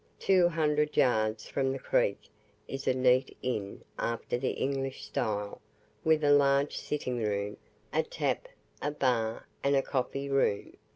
Two hundred yards from the creek is a neat inn after the English style, with a large sitting room, a tap, a bar, and a coffee room.